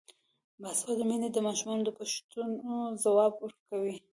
باسواده میندې د ماشومانو د پوښتنو ځوابونه ورکوي.